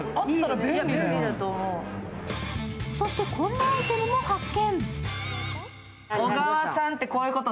こんなアイテムも発見。